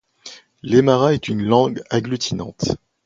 L'aymara est une langue agglutinante.